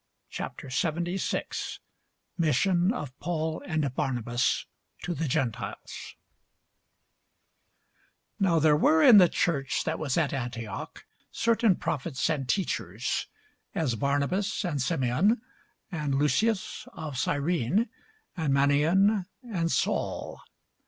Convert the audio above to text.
CHAPTER 76 MISSION OF PAUL AND BARNABAS TO THE GENTILES [Sidenote: The Acts 13] NOW there were in the church that was at Antioch certain prophets and teachers; as Barnabas, and Simeon, and Lucius of Cyrene, and Manaen, and Saul.